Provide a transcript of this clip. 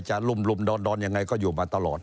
ลุ่มดอนยังไงก็อยู่มาตลอด